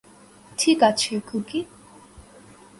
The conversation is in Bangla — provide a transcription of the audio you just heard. ঠিক আছে, খুকি।